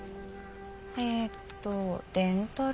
えっとデンタル。